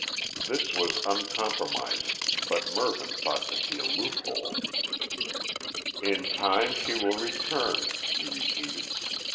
This was uncompromising, but Mervyn thought to see a loophole. "In time she will return," he repeated.